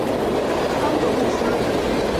桑格布斯。